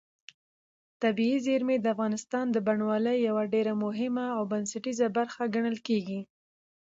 طبیعي زیرمې د افغانستان د بڼوالۍ یوه ډېره مهمه او بنسټیزه برخه ګڼل کېږي.